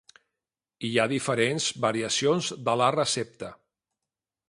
Hi ha diferents variacions de la recepta.